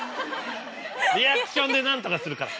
リアクションで何とかするから。